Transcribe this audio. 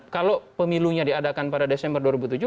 kalau pemilunya diadakan pada desember dua ribu tujuh belas